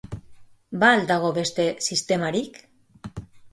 Ba al dago beste sistemarik?